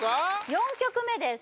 ４曲目です